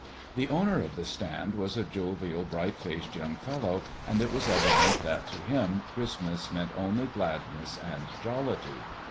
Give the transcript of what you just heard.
The owner of the stand was a jovial, bright faced young fellow, and it was evident that to him Christmas meant only gladness and jollity.